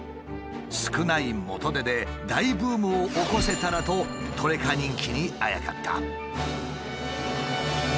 少ない元手で大ブームを起こせたらとトレカ人気にあやかった。